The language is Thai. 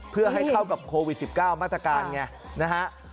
เพื่อให้เข้ากับโควิด๑๙มาตรการไงนะฮะ